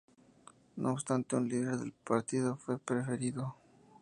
No obstante, un líder del partido fue preferido.